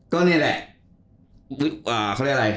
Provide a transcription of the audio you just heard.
ก็นี่แหละ